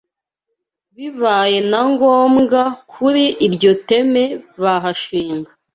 Bibaye na ngombwa kuri iryo teme bahashinga